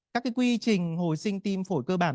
các quy trình hồi sinh tim phổi cơ bản